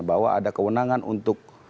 bahwa ada kewenangan untuk